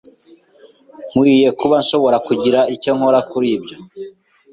Nkwiye kuba nshobora kugira icyo nkora kuri ibyo.